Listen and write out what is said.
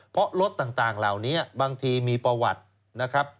เพราะรถต่างเหล่านี้บางทีมีประวัตินะครับ